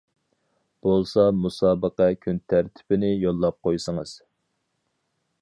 بولسا مۇسابىقە كۈن تەرتىپىنى يوللاپ قويسىڭىز.